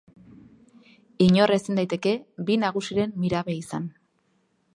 Inor ezin daiteke bi nagusiren mirabe izan.